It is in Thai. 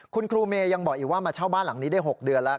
คุณครูเมย์ยังบอกอีกว่ามาเช่าบ้านหลังนี้ได้๖เดือนแล้ว